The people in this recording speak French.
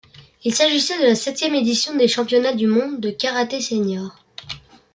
Il s'agissait de la septième édition des championnats du monde de karaté senior.